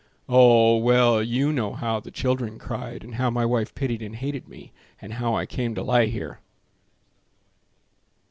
Oh! well, you know how the children cried, And how my wife pitied and hated me, And how I came to lie here.